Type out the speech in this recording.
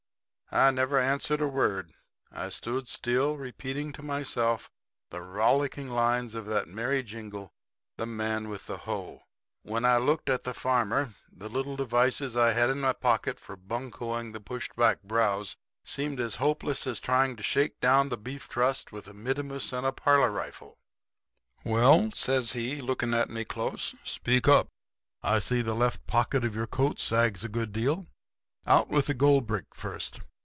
"I never answered a word. I stood still, repeating to myself the rollicking lines of that merry jingle, 'The Man with the Hoe.' When I looked at this farmer, the little devices I had in my pocket for buncoing the pushed back brows seemed as hopeless as trying to shake down the Beef Trust with a mittimus and a parlor rifle. "'Well,' says he, looking at me close, 'speak up. I see the left pocket of your coat sags a good deal. Out with the goldbrick first.